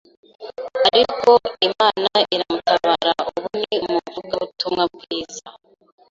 ariko Imana iramutabara ubu ni umuvugabutumwa bwiza